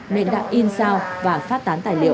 nên đã in sao và phát tán tài liệu